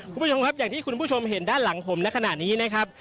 คุณผู้ชมครับอย่างที่คุณผู้ชมเห็นด้านหลังผมในขณะนี้นะครับ